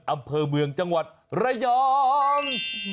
อำเภอเมืองจังหวัดระยอง